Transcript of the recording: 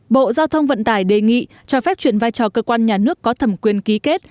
bộ giao thông vận tải đề nghị cho phép chuyển vai trò cơ quan nhà nước có thẩm quyền ký kết